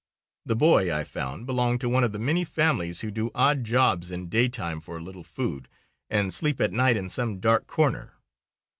The boy, I found, belonged to one of the many families who do odd jobs in day time for a little food, and sleep at night in some dark corner.